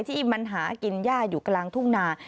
ที่มันหากินย่าอยู่กลางทุ่งนา